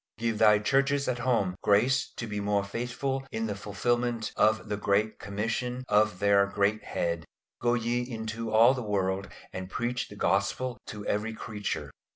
Give thy Churches at home grace to be more faithful in the fulfilment of the great commission of their Great Head "Go ye into all the world and preach the Gospel to every creature!"